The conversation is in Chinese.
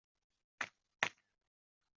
至元十六年。